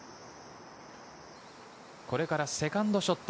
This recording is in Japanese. これからセカンドショット。